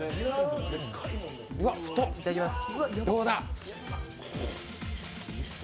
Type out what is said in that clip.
いただきます。